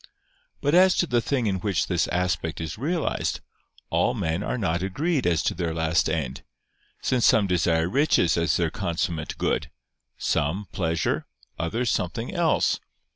But as to the thing in which this aspect is realized, all men are not agreed as to their last end: since some desire riches as their consummate good; some, pleasure; others, something else.